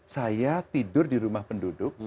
saya tidur di rumah penduduk